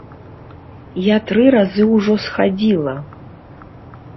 Я тры разы ўжо схадзіла.